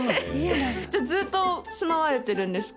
ずっと住まわれてるんですか？